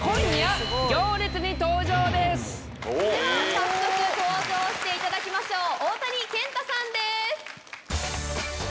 早速登場していただきましょう大谷健太さんです！